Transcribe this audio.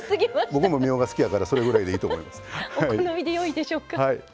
僕もみょうが好きだからそれぐらいでいいと思います。